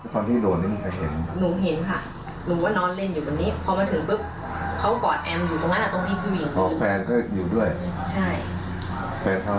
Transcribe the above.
ความที่โดนนี่มีใครเห็น